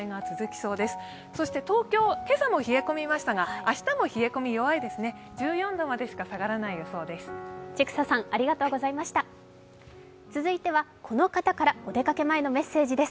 そして東京、今朝も冷え込みましたが、明日も冷え込み弱いですね、１４度までしか下がらない予想です。